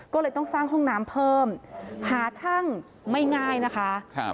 ก็เลยต้องสร้างห้องน้ำเพิ่มหาช่างไม่ง่ายนะคะครับ